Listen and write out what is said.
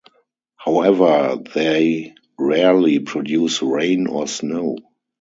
However, they rarely produce rain or snow.